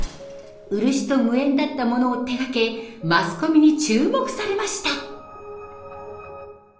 漆と無縁だったものを手がけマスコミに注目されました。